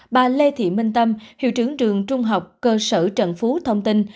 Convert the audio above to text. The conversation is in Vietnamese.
bà lê thị minh tâm hiệu trưởng trường trung học cơ sở trần phú thông tin